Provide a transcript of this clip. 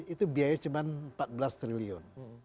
itu biaya cuma empat belas triliun